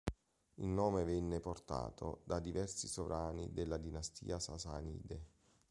Il nome venne portato da diversi sovrani della dinastia sasanide.